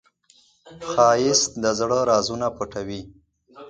ښایست د زړه رازونه پټوي